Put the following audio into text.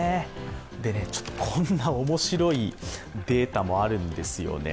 こんな面白いデータもあるんですよね。